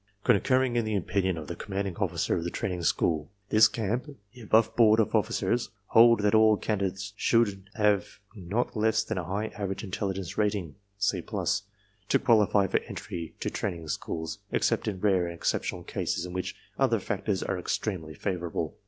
*' Concurring in the opinion of the Commanding Officer of the Training School, this camp, the above board of officers hold that all candidates should have not less than a high average intelligence rating (C+) to qualify for entry to training schools, except in rare and exceptional cases in which other factors are extremely favorable.